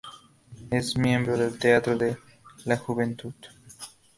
Es miembro del teatro de la Juventud.